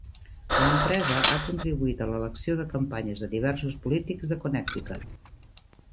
L'empresa ha contribuït a l'elecció de campanyes de diversos polítics de Connecticut.